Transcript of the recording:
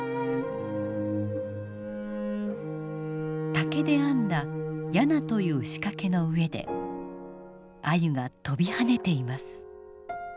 竹で編んだ簗という仕掛けの上でアユが跳びはねています。